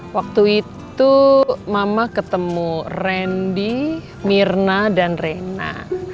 waktu itu mama ketemu randy mirna dan rena